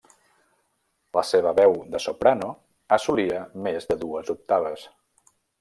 La seva veu de soprano assolia més de dues octaves.